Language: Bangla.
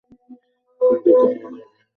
কিন্তু কোন ধরণের পৃথিবীকে সে নিজের বাসস্থান বলবে?